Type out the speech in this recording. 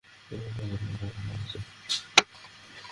সর্বশেষ মুক্তি পাওয়া কাপুর অ্যান্ড সন্স ছবিতেও তিনি পেয়েছেন দুই নায়ক।